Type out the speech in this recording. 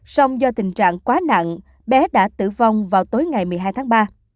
sông do tình trạng quá nặng bé đã tử vong vào tối ngày một mươi hai tháng ba